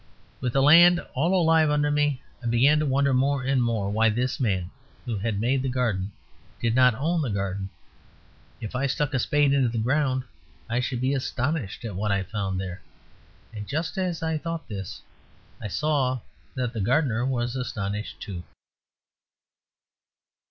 With the land all alive under me I began to wonder more and more why this man, who had made the garden, did not own the garden. If I stuck a spade into the ground, I should be astonished at what I found there...and just as I thought this I saw that the gardener was astonished too.